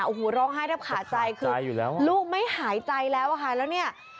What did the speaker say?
โอ้โหร้องไห้แทบขาดใจคือลูกไม่หายใจแล้วอะค่ะแล้วเนี่ย